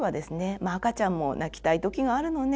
「まあ赤ちゃんも泣きたい時があるのね。